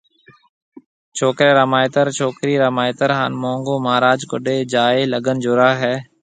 ڇوڪرَي را مائيتر ، ڇوڪرِي را مائيتر ھان مونگون مھاراج ڪوڊِي جائيَ لڳن جورائيَ ھيََََ